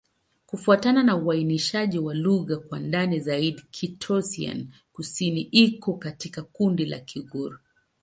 Kufuatana na uainishaji wa lugha kwa ndani zaidi, Kitoussian-Kusini iko katika kundi la Kigur.